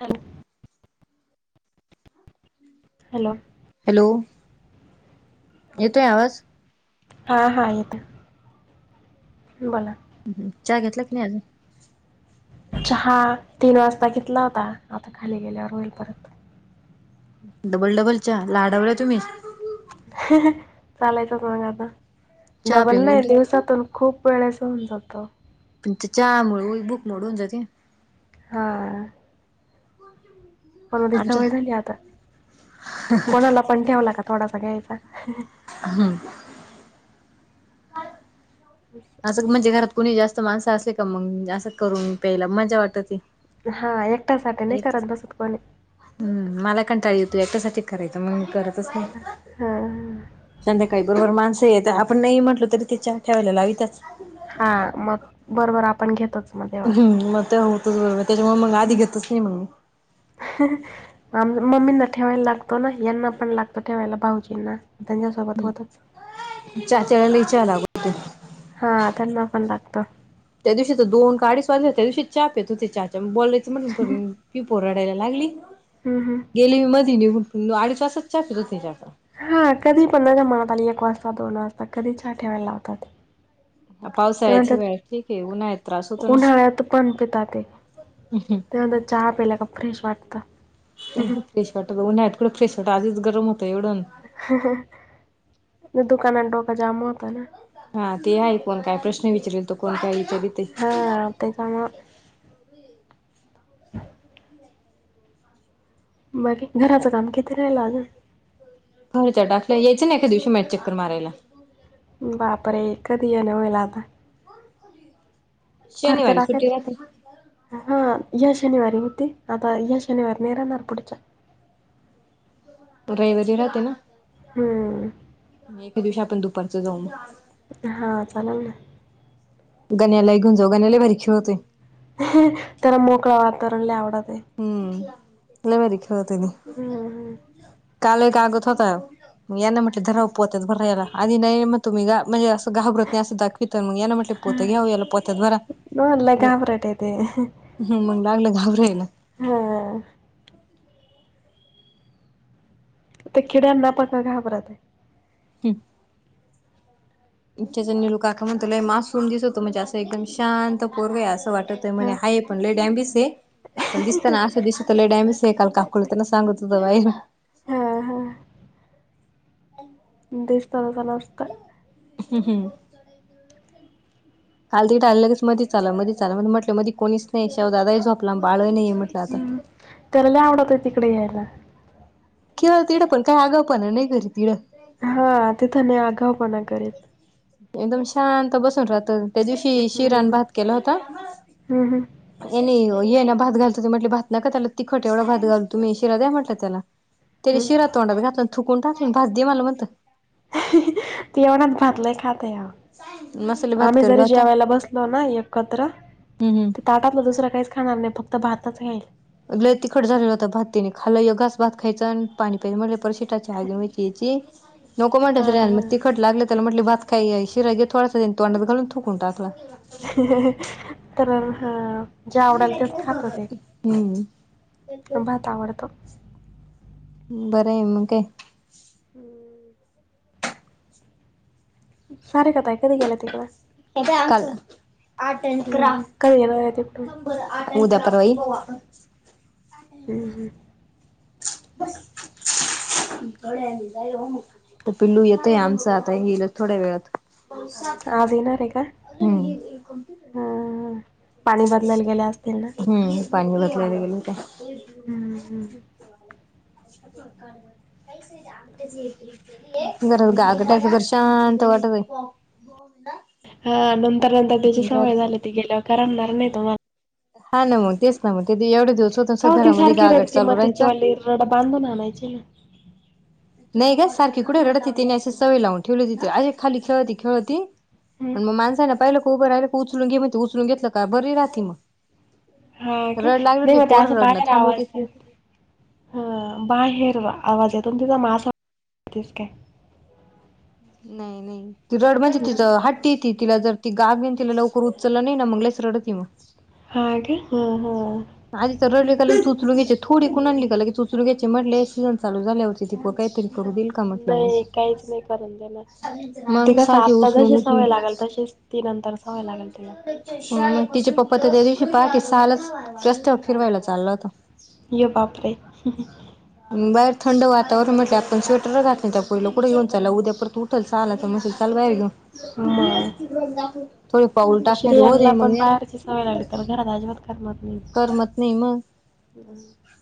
Hello hello hello येतोय आवाज? हां हा येतोय. बोला. हम्म चहा घेतला कि नाही अजुन. चहा तीन वाजता घेतला होता आता खाली गेल्यावर होईल परत. डबल डबल च्या लाडवला तुम्ही. चालायचंच मग आता चहा डबल पिऊन नाही उलट दिवसातून खूप वेळेसं होऊन जातो. पण चहा मुळ भुक मोडून जाते. हा. [unintelligible] [unintelligible] सवय झाली आता कोणाला पण ठेवला का थोडासा घ्यायचा. हम्म. हं. असं म्हणजे घरात कुणी जास्त माणसं असली का मग असं करून प्यायला मजा वाटती. हा एकट्यासाठी नाही, करत बसत कोणी. हम मला कंटाळा येतू, एकट्यासाठी करायचं मग मी करतच नाही. हां हां. संध्याकाळी बरोबर माणसे येत, आपण नाही म्हटलं तरी ते चहा ठेवायला लावीतच. हा मग बरोबर आपण, घेतोच मग तेव्हा. हम्म मग ते होतच बरोबर त्याच्यामुळे मग आधी घेतच नाही मग मी. हं मम्मींना ठेवायला लागतो ना यांना पण लागतो ठेवायला भाऊजींना त्यांच्यासोबत होतोच. चाचे वेळेला चहा लागूते. हा त्याना पण लागतो. त्या दिवशी तर दोन का आडिच वाजले. त्या दिवशी चहा पेत होती चा. बोलायचं म्हटलं पी पोर रडायला लागली. हम्म हम्म. गेले मी मध्ये निघून. अडीच तासच चहा पित होती. हा कधी पन‌ मनात आली. एक वाजता दोन वाजता कधी चहा ठेवायला लावतात. तेव्हा पावसाळ्यात तर हिवाळ्यात ठीक आहे उन्हाळ्यात त्रास होतो ना उन्हाळ्यात पण पिताते. ते म्हणतात चहा पेल्या का फ्रेश वाटत. फ्रेश वाटत उन्हाळ्यात कुठं, फ्रेश वाट आधीच गरम होतं एवढं. हं हं. दुकानात डोका जाम होता ना. हा ते आहे कोण काय प्रश्न विचारेल, तो कोण काय विचार ते. तेच्यामुळे. बाकी घराचं काम किती, राहिलं अजून फरशा डाकल्या यायचं ना, ऐकी दिवशी मॅट चक्कर मारायला. बापरे कधी येन होईल आता. फरशा शनिवारी सुट्टी टाकायचं. राहते हा.. या शनिवारी होती. आता या शनिवार नाही राणार पुढच्या. रविवारी राहते ना. हम्म. ऐके दिवशी आपण दुपारचं, जाऊ मग हां चालल ना. गण्याला ही घेऊन जावू, गण्या लै भारी खेळतो. त्याला मोकळा वातावरण लै आवडतय. हम हम लय भारी खेळतो हं, ते हं. काल एक [unintelligible] होत. यांना म्हटले धरावो पोत्यात भरा याला. आधी नाही मग, तुम्ही ग म्हणजे असं घाबरत नाही. असं दाखवित मग पोत घ्याऊ याला पोत्यात भरा मला लय हं.. घाबरट आहे ते. मग लागलं घाबरायला. हं.. [unintelligible] ते किड्यांना पण घाबरत आहे. हम. तेचं निलू काका म्हणतोय. मासूम दिसतो म्हणजे, असं एकदम शांत पोरग आहे अस वाटत. हा म्हणे हाय पण लय डांबिस ये, पण दिसतान असं दिसतं. डॅबिस हे काल काकूला, तेन सांगत होतं बाई. हा हा [unintelligible] दिसत तस नसतंय. हम् हम्म. काल त टाललं लगेच मधीच आला मधीच आला, मग म्हटलं मी कोणीच नाही शेवदादा झोपला बाळ ही नाहीये म्हटलं आता. हम्म त्याला लै आवडत ये तिकडे यायला. किळ तिडं पण काय आगाऊपणा नाही घरी तिडं हा तिथ नाही आगावपणा करीत एकदम शांत बसून राहत त्या दिवशी शिरा न हम्म भात केला होता हम्म हम्म ए नाही ये ना भात घालतो ते म्हटले भात नका त्याला तिखट एवढा भात घाल तुम्ही शिरा द्या म्हटलं त्याला तेनी हम्म शिरा तोंडात घातला थकून टाकले भात दे मला म्हण तीवणात भातलेय खात ह मसाले भात आम्ही करेल जरी होता. जेवायला बसलो ना एकत्र हम्म हम्म ताटातलं दुसरं काहीच खाणार नाही. फत भातच खाईल. तिखट झालेला होता भात. तिन खाला एक घास भात खायचा आणि पाणी प्यायचा, म्हटलं [unintelligible] [unintelligible] ची नको हा म्हटलं हा मग तिखट लागलं. त्याला म्हटल भात खाये, शिरा घे थोडसा तोंडात घालून थुकून टाकला. तर ह जे आवडल तेच खातो ते. हम्म. भात आवडतो. बर आहे मग? हम्म सारिक ताय कधी गेलं तिकडं? उद्या हम्म हम्म कधी येणार आहे तिकडून? परवा ई हम हं [inaudible] पिल्लू येतय आमच आताय गेल थोड्या वेळात आज येणार आहे का? हं हं. पाणी बदलायला गेल्या असतील ना? हम्म पाणी बसलाला गेलं का हं, हं. घर बाय गागट्याच घर्ष शांत वाटते [unintelligible] हा नंतर नंतर त्याची सवय झाली ती गेल्यावर करमणार नाही तो मला हा ना तेच ना म ते एवढे दि का हो ती सारखी रडते मग तिच्या वली रड बांधून आणायची ना नाही का सारखी कुठे रडत तिने, अशी सवय लावून ठेवली तिथे अरे खाली खेळती खेळती हं. ण मग माणसाना पाहिलं क उभं राहिलं का उचलून घे म्हण उचलून घेतलं का बरी राह मग हा का रड लागली नाही होती मग ते पोर असं रडणं बाहेर थांबवतीच आवाजे नाही. ह बाहेर आवाज येतून तिचा मास वास काय नाही नाही ति रड म्हणजे हं. तिथं हट्टी तिला ज त गाग घेन तिला लवकर उचललं नाही ना मगला रडत मग हा काय हा हा आजी तर रडली चुचू घ्याय थोडी कुण आणली गलं की चुचरू घ्याचे म्हटले हे सीझन चालू झाल्या होती ती प काही तरी करू दिल नाही काहीच नाही करून देणार ती मग कस सारखी आता उचलून जशी उचलून सवय लागेल तशीच ती नंतरच सवय लागेल तिला अ तिचे पप्पा तर त्या दिवशी पहाट सहालाच रस्त्यावर फिरवायला चाललंत ये बापरे बाहेर थंड वातावरण म्हटलं आपण स्वेटरच घातले त्या पहिलं कुे येऊन लला उद्या परत त उठ चालता म चालयर गं मग थोडे पाऊल टाकणे हो दे श्रियांना मग पण बाहेरची सवय लागली तर घरात आजीबात करमत नाही. करमत नाही मग ह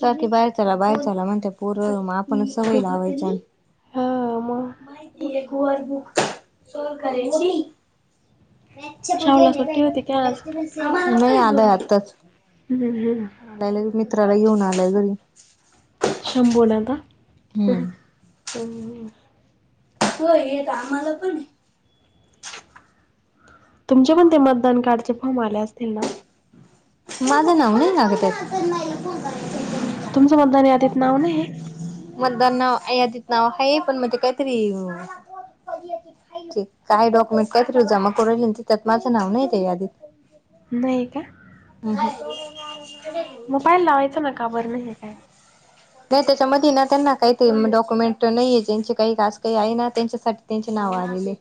सारखी बाहेरचाला बाहेर चाला म्हणते पोरं आपणच सवय लावायच्या हा मग [unintelligible] शावला सुट्टी होती की आज नाही आलंय आताच हम्म हम आलाय मित्राला येऊन आलाय घरी शंबोलाता् हम्म हो येत आम्हाला पण तुमच्या पण ते मतदान कार्डचे फॉर्म आले असतील ना माझ नावणे लागत तुमचं मतदान यादीत नाव नाहीये? मतदान नाव यादीत नाव आहे पण मग ते काहीतरी काय डॉक्युमेंट काहीतरी जमा करु राहिले त्यात माझं नाव नाहीेये आहे यादीत नाही का हम् ह मोबाईल लावायचां ना का बरं नाही काय नाही त्याच्यामध्ये ना त्यांना काहीतरी डॉक्युमेंट नाहीये ज्यांचे काही कास काही आहे ना त्यांच्यासाठी त्यांचे नाव आलेले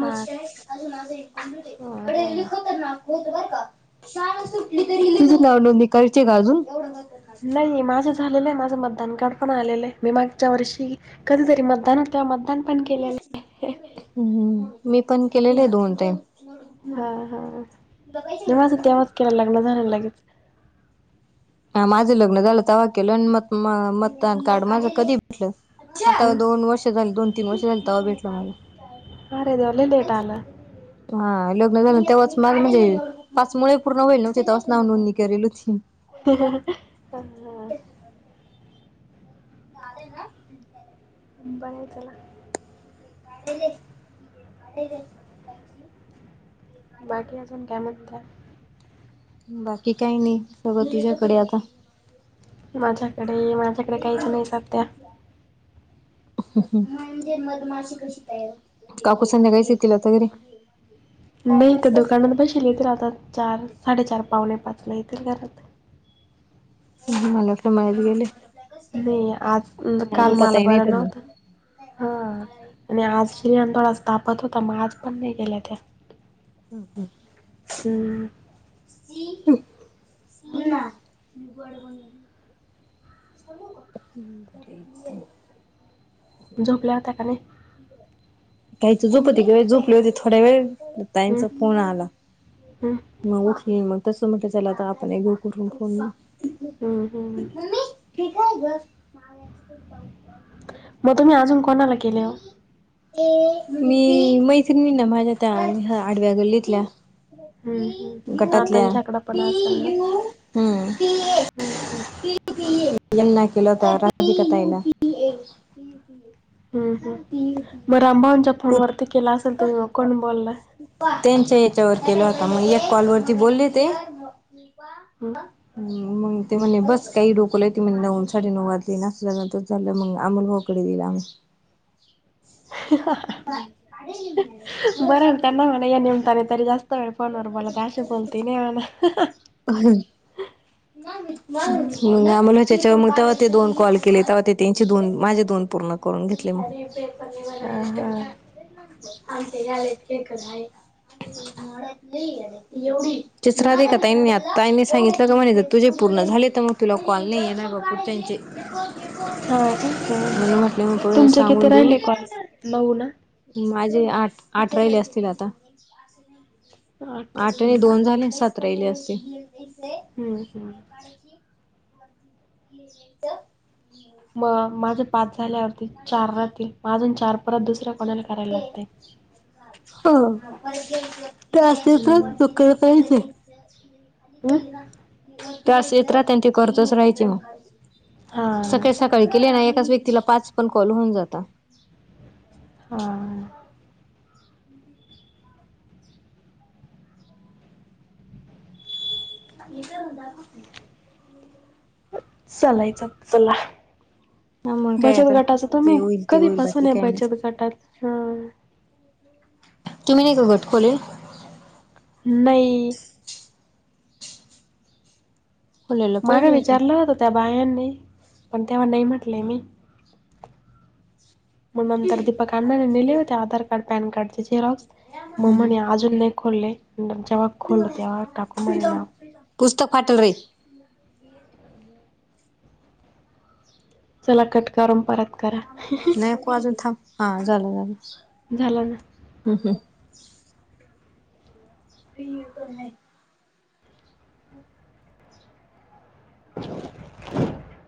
हा अजून माझं ना अरे हा लिखो पना तुमची नाव नोंदणी करायची आहे का अजून नाही माझं झालेलं आहे माझं मतदान कडपणा आलेलं आहे मी मागच्या वर्षी कधीतरी मतदान त्या मतदानपण हम् मी पण केलेले आहे दोन टाईम हा हा जेव्हाच तेव्हाच केयला लागल झालंला लगेच हा माझं लग्न झालं तवा्हा केलं आणि मत मतदान कार्ड माझं कधी भेटल आता हं? दोन वर्ष झा दोन तीन वर्ष झाली तेव्हा भेटल मला अरे देवा लय लेट आलं हा लग्न झालं तेव्हाच मग म्हणजे पाच महिने पूर्ण होईल नव्हते तेव्हाच नाव नोंदणी करेल होती हा हा ह हो ना बरं चला कढले काढले बाकी आजुन काय म्हणता बाकी काही नाही सगळं तुझ्याकडे आता माझ्याकडे माझ्याकडे काहीच नाही साध्या म्हणजे मग माशी कशी तयार होती काकू संध्याकाळीच येतील आता घरी नाही त्या दुकानात बशीलच राहतात चार साडेचार पावणे पाचला येतील घरात मला वाटलं माहरी गेले नाही आज काल झोपा मला ताई नाही बरं तर नव्हतं हा आणि आज श्रीयांत थोडाच तापत होता मग आज पण नाही गेल्या त्या हम हम हम सी सी हम् ठीक झोपल्या होता का नाही काहीची झोप येती ग बाई झोपले होते थोड्या वेळ ताईच हम्म, फोन आला हम्म, मग उठली मग तसं म्हटलं चला आता आपण एक घेऊ करून फोन हम् हम् ठीक आहे बस ना याच त द उत मग तुमही अजून कोणाला केले हो मी मैत्रिणी ना माझ्या त्या आडव्या गल्लीतल्या हम्म, हम्म. हा गटातल्या त्यांच्याकडं पण हम्म हम् हम ना केलता राजी कताय ना ह हम्म हम् ब अंबावांच्या फोनवरती केला असेल तर कोण बोलला त्यांच्या याच्यावर केला होता मग एक कॉलवररती बोलले ते दीपा ह मग ते म्ह बस काही रोकला त म्ह नऊं रे न वाजली ना अस चालं मंग अमोल भाऊ कडे गेलो मग आम्ही बरं आहे ना सग त्यांना म्हणा या निमताने तरी जास्त वेळ फोनवर बोलात अशी बोलते नाही म्हणा हं हं. मग आम्हाला त्याच्या मग तेव्हा ते दोन कॉल केले तेव्हा ते त्यांचे दोन माझे दोन पूर्ण करून घेतली मग हां, हां. आम ते यालेयेत खेकतय [unintelligible] राधिका ताई मी सांगितलं म्हणे ताईंनी तुझे पूर्ण झाले तर मग तुला कॉल नाही येणार बापू त्यांचे हां का? हां, हां. मला म्हटले मो तुमचे किती सांगून देऊन राहिले कॉल? नऊ ना? माझे आठ आठ रहिले असतील आता आठ हं, आणि हं. दोन झाले सात राहिले असते हम् हम् आणिखी [unintelligible] तर मग माझे पाच झाल्यावरती चार राहील अजून चार परात दुसऱ्या कोणाला करायला लागत ह ते असे तर हं. लुकरच हं? तस येत राह त्यां त करतच राहायची मग हां, सकाळे सकाळी कळ केले ना एकाच व्यक्तीला पाच पण कॉल होऊन जात हा हे तर होदा चलाय चाल च हा मग काय बचत आता गटाच जे तुम्ही होईल ते होईल बाकी कधीपासून आहे काय नाही. बचत गटात हा तुम्ही नाही का गट खोलेल नाही खोलायला माग पाहिजे विचारलं होत त्या बायांनी पण तेव्हा नाही म्हटले मी मग नंतर दीपक अण्णाने नेले होते आधार कार्ड पॅन कार्ड जे जे रॉक्स मग म्हणे अजून नाही खोलले जेव्हा खोललो तेव्हा टाकू मणे नाव पुस्तक फाटल रे क चला कट करून परत करा नाहीको अजून थांब हा झालं झालं झाला ना हम हम हो फ आहे [inaudible]